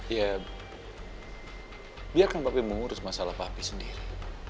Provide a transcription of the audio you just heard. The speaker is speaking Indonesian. ya biarkan papi mengurus masalah pahmi sendiri